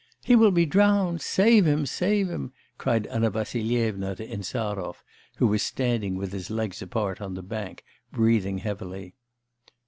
'He will be drowned, save him! save him!' cried Anna Vassilyevna to Insarov, who was standing with his legs apart on the bank, breathing heavily.